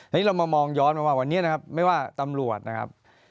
อันนี้เรามามองย้อนมาว่าวันนี้นะครับไม่ว่าตำรวจนะครับ